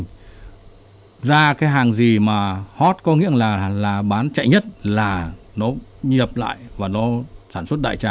nếu mà người việt nam mình ra cái hàng gì mà hot có nghĩa là bán chạy nhất là nó nhập lại và nó sản xuất đại trà